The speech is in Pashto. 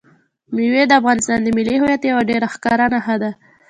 مېوې د افغانستان د ملي هویت یوه ډېره ښکاره نښه ده.